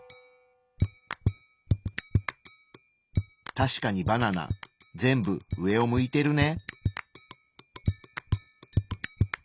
確かにバナナ全部上を向いてるね。